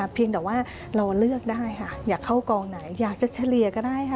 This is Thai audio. เพียงแต่ว่าเราเลือกได้ค่ะอยากเข้ากองไหนอยากจะเฉลี่ยก็ได้ค่ะ